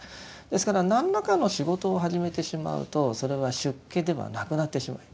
ですから何らかの仕事を始めてしまうとそれは出家ではなくなってしまいます。